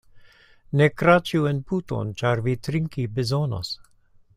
Ne kraĉu en puton, ĉar vi trinki bezonos.